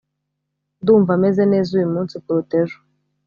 ndumva meze neza uyu munsi kuruta ejo